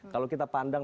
kalau kita pandang